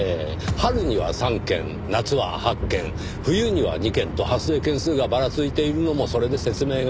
春には３件夏は８件冬には２件と発生件数がバラついているのもそれで説明がつきます。